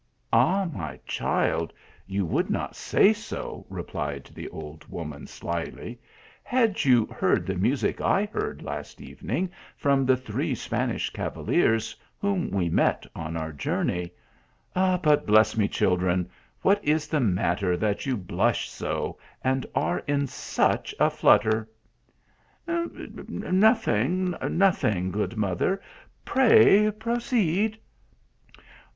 " Ah, my child, you would not say so," replied the old woman, slyly, " had you heard the music I heard 144 THE ALHAMBRA. last evening, from the three Spanish cavaliers whom we met on our journey. But bless me, children ! what is the matter that you blush so, and are in such a flutter ?"" Nothing, nothing, good mother, pray proceed."